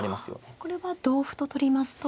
これは同歩と取りますと。